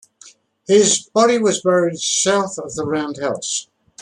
His body was buried south of the Round House.